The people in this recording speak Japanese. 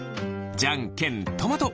じゃんけんトマト！